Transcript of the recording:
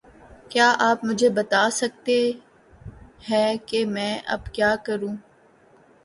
کیا آپ مجھے بتا سکتے ہے کہ میں اب کیا کروں؟